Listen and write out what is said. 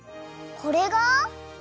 これが！？